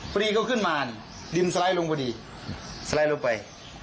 พอดีเขาขึ้นมาดินสไลด์ลงพอดีสไลด์ลงไป